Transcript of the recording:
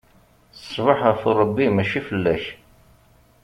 Ṣṣbuḥ ɣef Rebbi, mačči fell-ak!